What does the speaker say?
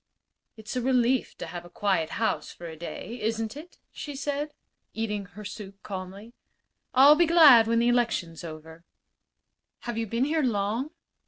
"It's a relief to have a quiet house for a day, isn't it?" she asked, eating her soup calmly. "I'll be glad when the election's over." "Have you been here long?"